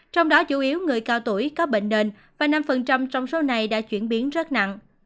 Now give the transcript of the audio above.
trong đó chủ yếu người cao tuổi có bệnh nền và năm trong số này đã chuyển biến rất nặng